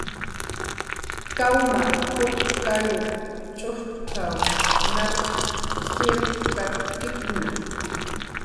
"Kawmaq kup kayup"" ch'ujchk""aw narq chirkatkipna"